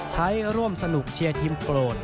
ร่วมสนุกเชียร์ทีมโปรด